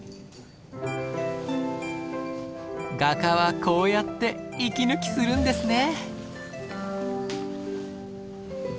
画家はこうやって息抜きするんですね。